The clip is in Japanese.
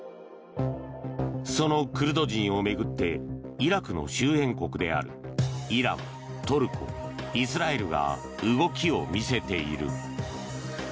そのクルド人を巡ってイラクの周辺国であるイラン、トルコ、イスラエルが動きを見せている。